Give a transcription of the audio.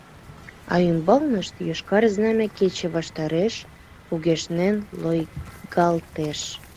А ӱмбалнышт йошкар знамя кече ваштареш кугешнен лойгалтеш.